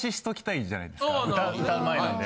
歌う前なんで。